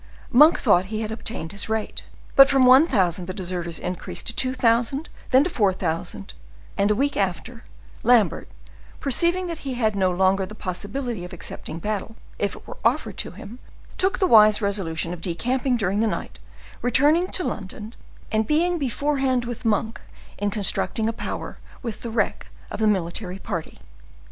Monk thought he had obtained his rate. But from one thousand the deserters increased to two thousand, then to four thousand, and, a week after, Lambert, perceiving that he had no longer the possibility of accepting battle, if it were offered to him, took the wise resolution of decamping during the night, returning to London, and being beforehand with Monk in constructing a power with the wreck of the military party.